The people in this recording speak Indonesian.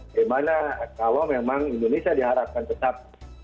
bagaimana kalau memang indonesia diharapkan tetap